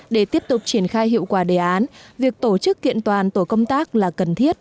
để tiếp tục triển khai hiệu quả đề án việc tổ chức kiện toàn tổ công tác là cần thiết